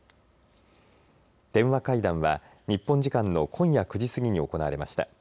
電話会談は日本時間の今夜９時過ぎに行われました。